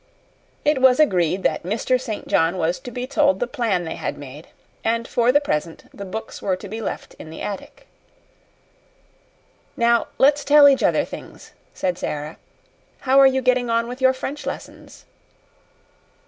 It was agreed that Mr. St. John was to be told the plan they had made, and for the present the books were to be left in the attic. "Now let's tell each other things," said Sara. "How are you getting on with your French lessons?"